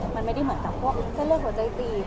มันไม่ได้เหมือนกับพวกเส้นเลือดหัวใจตีบ